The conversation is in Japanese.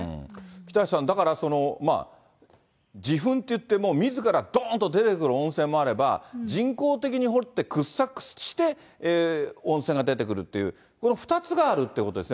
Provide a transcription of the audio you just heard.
北橋さん、だから、自噴っていって、みずからどーんと出てくるものもあれば、人工的に掘って掘削して、温泉が出てくるっていう、この２つがあるっていうことですね。